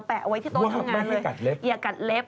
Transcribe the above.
แปะไว้ที่โต๊ะทำงานเลย